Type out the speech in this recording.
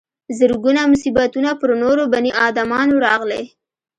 زرګونه مصیبتونه پر نورو بني ادمانو راغلي.